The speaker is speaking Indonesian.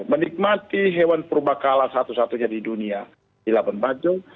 menikmati hewan purba kala satu satunya di dunia di labuan bajo